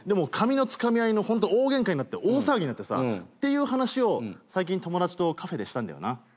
髪のつかみ合いのホント大ゲンカになって大騒ぎになってさっていう話を最近友達とカフェでしたんだよな。